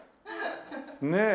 ねえ。